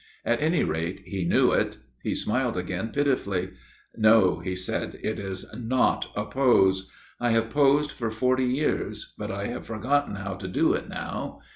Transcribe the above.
At any rate he knew it. He smiled again, pitifully. "' No,' he said, ' it is not a pose. I have posed for forty years, but I have forgotten how to do it now.